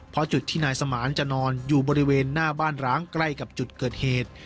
เพราะจุดที่นายสมานจะนอนอยู่บริเวณหน้าบ้านร้างใกล้กับจุดเกิดเหตุ